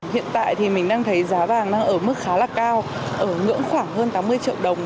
hiện tại thì mình đang thấy giá vàng đang ở mức khá là cao ở ngưỡng khoảng hơn tám mươi triệu đồng